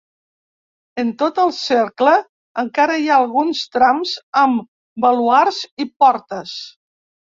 En tot el cercle encara hi ha alguns trams, amb baluards i portes.